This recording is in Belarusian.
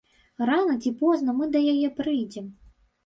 Рана ці позна мы да яе прыйдзем.